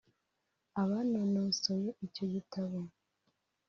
Abanonosoye icyo gitabo